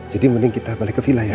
jadi mending kita balik ke villa ya